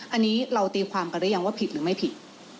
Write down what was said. อันนี้เราตีความกันหรือยังว่าผิดหรือไม่ผิด